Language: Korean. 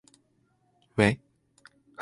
왜?